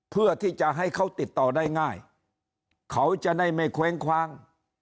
เพื่อที่จะให้เขาติดต่อได้ง่ายเขาจะได้ไม่เคว้งคว้าง